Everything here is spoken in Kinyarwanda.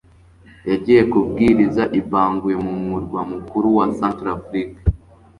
yagiye kubwiriza i bangui mu murwa mukuru wa centrafrique